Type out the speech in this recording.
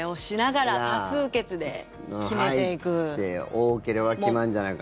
多ければ決まるんじゃないか。